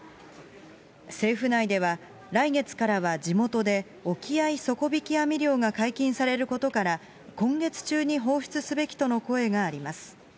政府内では、来月からは地元で沖合底引き網漁が解禁されることから、今月中に放出すべきとの声があります。